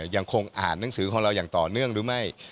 ยังคงอ่านหนังสือของเราอย่างต่อเนื่องหรือไม่